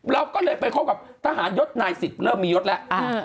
เราก็เลยเป็นขบกับทหารยศนายสิบเริ่มมียศแหละอ่า